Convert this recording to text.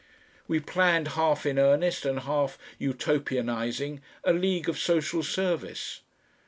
We planned half in earnest and half Utopianising, a League of Social Service.